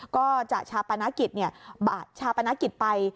ก็จะชาปนกิจชาปนกิจไป